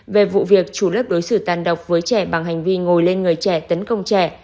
về vụ việc chủ lớp đối xử tàn độc với trẻ bằng hành vi ngồi lên người trẻ tấn công trẻ